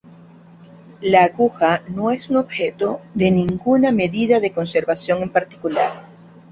La Aguja no es objeto de ninguna medida de conservación en particular.